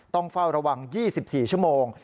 ต้องเฝ้าระวัง๒๔ชั่วโมง